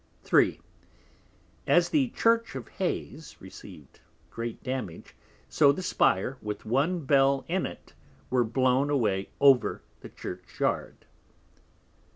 3. As the Church at Heyes received great Damage, so the Spire, with one Bell in it, were blown away over the Church yard.